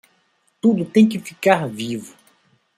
Tudo tem que ficar vivo